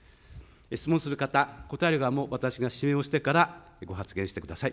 質問する方、答える側も私が指名をしてからご発言してください。